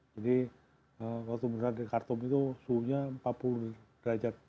jadi waktu menerang dari kartum itu suhunya empat puluh derajat